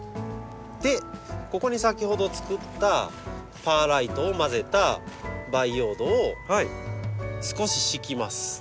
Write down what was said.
でここに先ほど作ったパーライトを混ぜた培養土を少し敷きます。